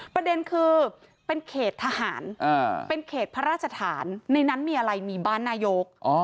ประเด็นคือเป็นเขตทหารเป็นเขตพระราชฐานในนั้นมีอะไรมีบ้านนายก